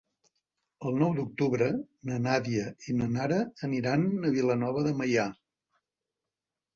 El nou d'octubre na Nàdia i na Nara aniran a Vilanova de Meià.